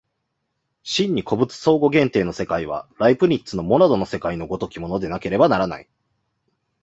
真に個物相互限定の世界は、ライプニッツのモナドの世界の如きものでなければならない。